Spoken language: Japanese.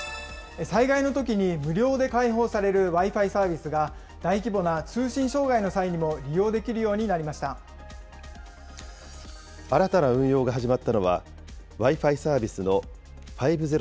災害のときに無料で開放されるＷｉ−Ｆｉサービスが、大規模な通信障害の際にも利用できるように新たな運用が始まったのは、Ｗｉ−Ｆｉサービスの０００００